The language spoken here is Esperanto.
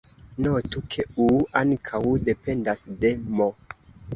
Notu, ke "u" ankaŭ dependas de "m".